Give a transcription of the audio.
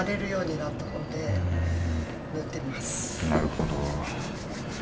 なるほど。